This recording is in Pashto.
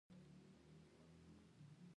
انجلۍ وويل چې له ډاکټر سره يې خبرې کړې وې